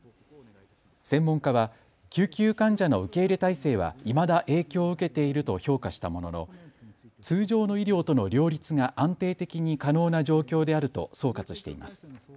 専門家は救急患者の受け入れ体制はいまだ影響を受けていると評価したものの通常の医療との両立が安定的に可能な状況であると総括しています。